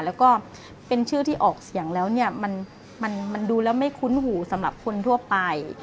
แล้วก็เป็นชื่อที่ออกเสียงแล้วเนี่ยมันดูแล้วไม่คุ้นหูสำหรับคนทั่วไป